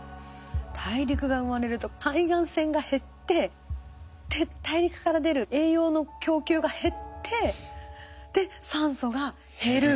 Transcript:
大陸が生まれると海岸線が減ってで大陸から出る栄養の供給が減ってで酸素が減る。